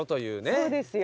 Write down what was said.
そうですよ。